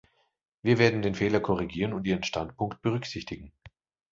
Wir werden den Fehler korrigieren und Ihren Standpunkt berücksichtigen.